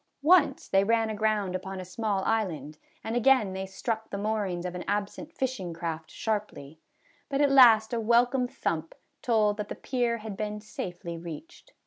Once they ran aground upon a small island, and again they struck the moorings of an absent fishing craft sharply ; but at last a welcome thump told that the pier had been safely reached.